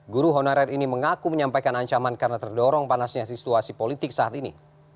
guru honorer ini mengaku menyampaikan ancaman karena terdorong panasnya situasi politik saat ini